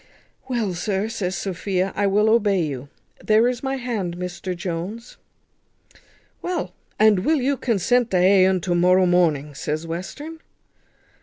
"Well, sir," says Sophia, "I will obey you. There is my hand, Mr Jones." "Well, and will you consent to ha un to morrow morning?" says Western.